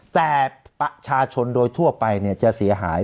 แต่ประชาชนโดยทั่วไปจะเสียหาย